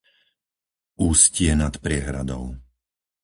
Ústie nad Priehradou